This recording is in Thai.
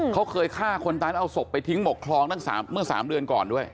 เขาเคยฆ่าคนตายแล้วเอาศพไปทิ้งหมกคลองตั้งเมื่อ๓เดือนก่อนด้วย